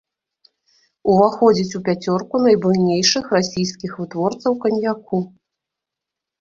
Уваходзіць у пяцёрку найбуйнейшых расійскіх вытворцаў каньяку.